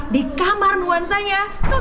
di kamar nuansanya coco melon